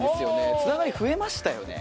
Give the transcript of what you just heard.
つながり増えましたよね